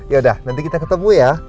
yaudah nanti kita ketemu ya